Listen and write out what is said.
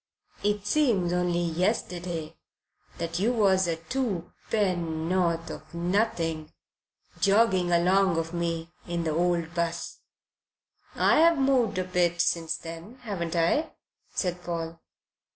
It seems only yesterday that you was a two penn'orth of nothing jogging along o' me in the old 'bus." "I've moved a bit since then, haven't I?" said Paul.